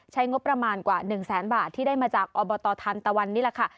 ใช้งบประมาณกว่า๑๐๐๐๐๐บาทที่ได้มาจากอบตธรรมตะวันนี้แหละค่ะ